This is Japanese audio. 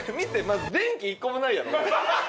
まず電気１個もないやろ？